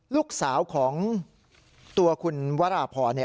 ลูกสาวของตัวคุณวราพร